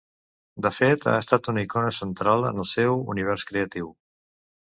De fet, ha estat una icona central en el seu univers creatiu.